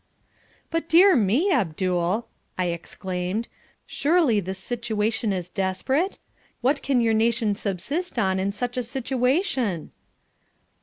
"But, dear me, Abdul," I exclaimed, "surely this situation is desperate? What can your nation subsist on in such a situation?"